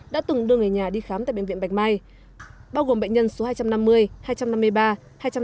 đã từng đưa người nhà đi khám tại bệnh viện bạch mai bao gồm bệnh nhân số hai trăm năm mươi hai trăm năm mươi ba hai trăm năm mươi bốn và hai trăm năm mươi bảy